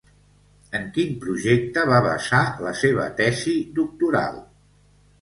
En quin projecte va basar la seva tesi doctoral?